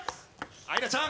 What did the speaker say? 愛空ちゃん！